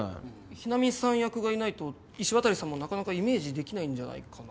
日菜美さん役がいないと石渡さんもなかなかイメージできないんじゃないかな？